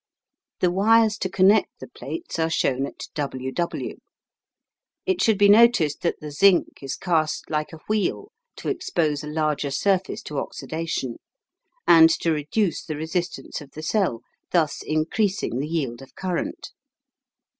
The wires to connect the plates are shown at WW. It should be noticed that the zinc is cast like a wheel to expose a larger surface to oxidation, and to reduce the resistance of the cell, thus increasing the yield of current.